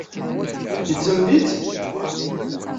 Yettamen-itt?